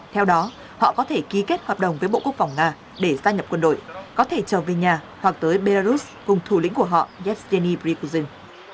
theo đó họ có thể ký kết hợp đồng với bộ quốc phòng nga để gia nhập quân đội có thể trở về nhà hoặc tới belarus cùng thủ lĩnh của họ yetiny briguzil